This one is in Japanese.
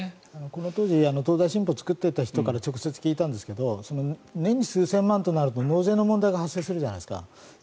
この当時東大新報を作っていた人から直接聞いたんですけど年に数千万となると納税の問題が発生するじゃないですか。